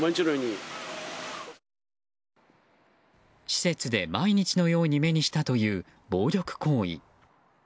施設で、毎日のように目にしたという暴力行為。